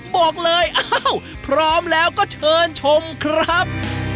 บอกเลยอ้าวพร้อมแล้วก็เชิญชมครับ